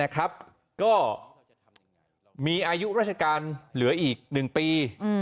ก็มีอายุราชการเหลืออีก๑ปี